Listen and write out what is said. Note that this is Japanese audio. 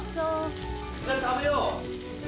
じゃあ食べよう。